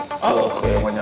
ya menyesal kenalan tuh